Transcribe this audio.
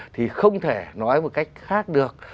thì không thể nói một cách khác được